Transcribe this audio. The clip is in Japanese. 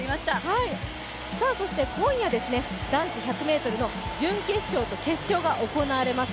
そして今夜、男子１００ｍの準決勝と決勝が行われます。